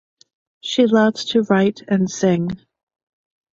She loves to write and sing.